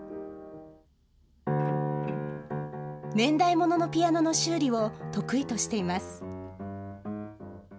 年代物のピアノの修理を得意としています。